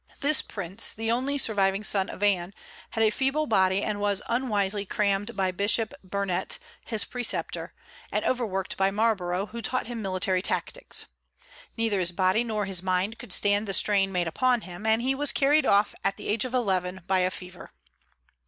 This prince, only surviving son of Anne, had a feeble body, and was unwisely crammed by Bishop Burnet, his preceptor, and overworked by Marlborough, who taught him military tactics. Neither his body nor his mind could stand the strain made upon him, and he was carried off at the age of eleven by a fever.